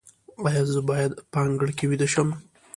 ایا زه باید په انګړ کې ویده شم؟